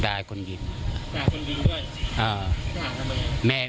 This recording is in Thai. ด่าคนยิงด้วยด่าทำไม